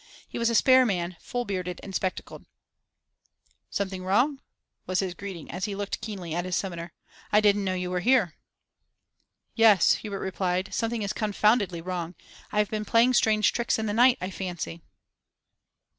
He was a spare man, full bearded and spectacled. 'Something wrong?' was his greeting as he looked keenly at his summoner. 'I didn't know you were here.' 'Yes,' Hubert replied, 'something is confoundedly wrong. I have been playing strange tricks in the night, I fancy.